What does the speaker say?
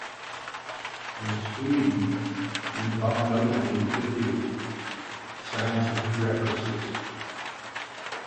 In Sweden he was often openly ridiculed at scientific conferences.